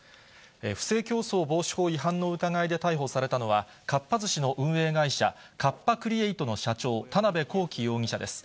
不正競争防止法違反の疑いで逮捕されたのは、かっぱ寿司の運営会社、カッパ・クリエイトの社長、田辺公己容疑者です。